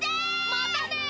またね！